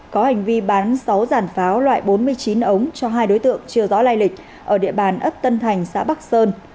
có hành vi bán sáu giàn pháo loại bốn mươi chín ống cho hai đối tượng chưa rõ lai lịch ở địa bàn ấp tân thành xã bắc sơn